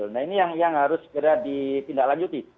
nah ini yang harus segera dipindah lanjuti